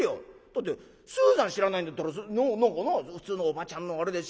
「だってスーザン知らないんだったら何かなあ普通のおばちゃんのあれで」。